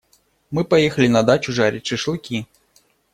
Мы поехали на дачу жарить шашлыки.